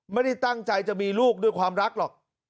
ไม่ได้ตั้งใจจะมีลูกด้วยความรักหรอก